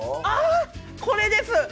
あ、これです。